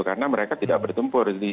karena mereka tidak bertempur